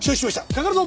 かかるぞ！